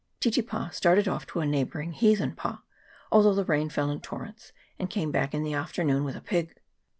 Titipa started off to a neighbouring Heathen pa, although the rain fell in torrents, and came back in the afternoon with a pig.